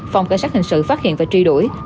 phòng cảnh sát hình sự phát hiện và truy đuổi